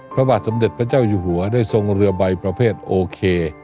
พระบาทสมเด็จพระเจ้าอยู่หัวได้ทรงเรือใบประเภทโอเค